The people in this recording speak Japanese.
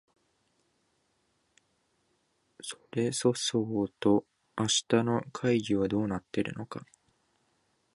それそそうと明日の会議はどうなっているのか